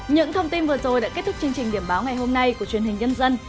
những thông tin vừa rồi đã kết thúc chương trình điểm báo ngày hôm nay của truyền hình nhân dân